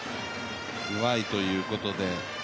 うまいということで。